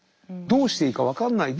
どうしていいか分かんない。